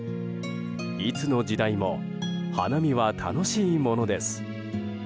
いつの時代も花見は楽しいものです。